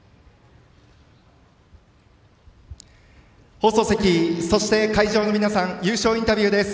放送席、そして会場の皆さん優勝インタビューです。